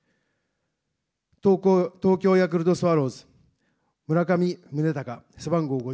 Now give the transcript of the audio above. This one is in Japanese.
東京ヤクルトスワローズ、村上宗隆、背番号５５。